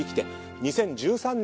［２０１１年